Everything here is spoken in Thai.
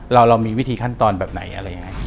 เรามีวิธีขั้นตอนแบบไหนอะไรยังไง